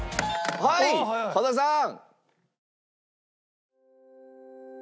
はい羽田さん！